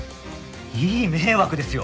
いい迷惑ですよ。